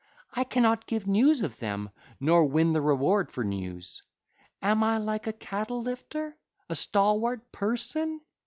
I cannot give news of them, nor win the reward for news. Am I like a cattle lifter, a stalwart person?